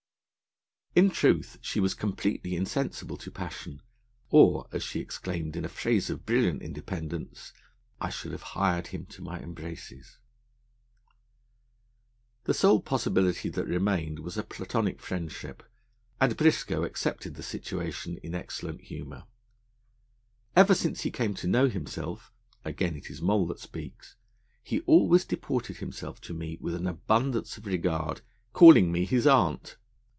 In truth, she was completely insensible to passion, or, as she exclaimed in a phrase of brilliant independence, 'I should have hired him to my embraces.' The sole possibility that remained was a Platonic friendship, and Briscoe accepted the situation in excellent humour. 'Ever since he came to know himself,' again it is Moll that speaks, 'he always deported himself to me with an abundance of regard, calling me his Aunt.'